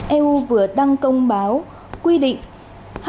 eu vừa đăng công báo quy định